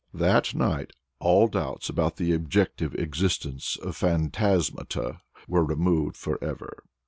That night all doubts about the objective existence of phantasmata were removed forever.